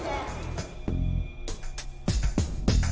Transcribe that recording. เมื่อกี้ก็ไม่มีเมื่อกี้